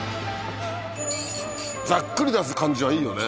ざっくり出す感じはいいよね。